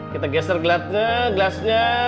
kita geser gelasnya